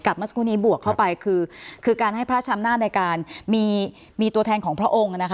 กลับมาสกุลนี้บวกเข้าไปคือการให้พระราชชำนาญในการมีตัวแทนของพระองค์